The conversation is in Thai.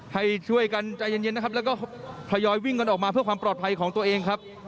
ให้ช่วยกันใจเย็นนะครับแล้วก็ทยอยวิ่งกันออกมาเพื่อความปลอดภัยของตัวเองครับ